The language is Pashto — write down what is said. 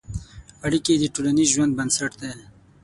اړیکې د ټولنیز ژوند بنسټ دي.